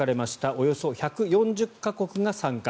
およそ１４０か国が参加。